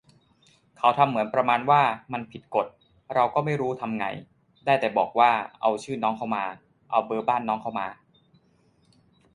เขาทำเหมือนประมาณว่ามันผิดกฎ เราก็ไม่รู้ทำไง ได้แต่บอกว่าเอาชื่อน้องเค้ามา เอาเบอร์บ้านน้องเค้ามา